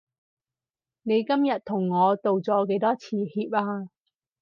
你今日同我道咗幾多次歉啊？